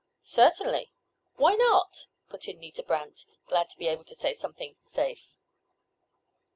"Certainly; why not?" put in Nita Brandt, glad to be able to say something "safe."